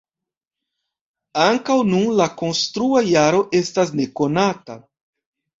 Ankaŭ nun la konstrua jaro estas nekonata.